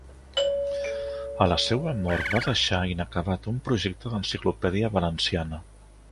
A la seua mort va deixar inacabat un projecte d'Enciclopèdia Valenciana.